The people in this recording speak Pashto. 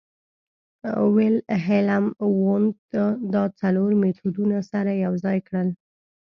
ویلهیلم وونت دا څلور مېتودونه سره یوځای کړل